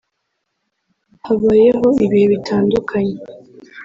habayeho ibihe bitandukanye